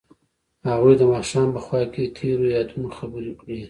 هغوی د ماښام په خوا کې تیرو یادونو خبرې کړې.